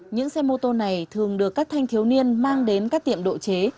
những xe mô tô này thường được các thanh thiếu niên mang đến các tiệm độ chế